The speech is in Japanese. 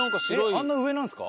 あんな上なんですか？